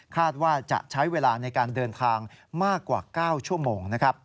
คาดว่าจะใช้เวลาในการเดินทางมากกว่า๙ชั่วโมง